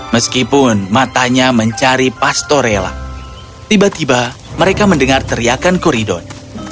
meskipun matanya mencari pastorella tiba tiba mereka mendengar teriakan koridon